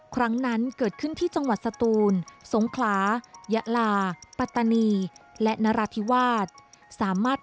ครั้งนั้นเกิดขึ้นที่จังหวัดสตูนสงขลายะลาปัตตานีและนราธิวาสสามารถ